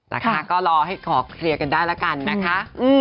นะคะก็รอให้ขอเคลียร์กันได้แล้วกันนะคะ